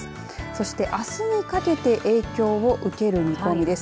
そしてあすにかけて影響を受ける見込みです。